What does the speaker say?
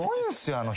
あの人。